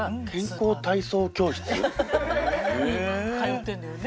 通ってるのよね。